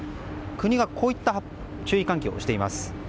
国がこういった注意喚起をしています。